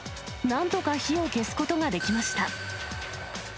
なんとか火を消すことができました。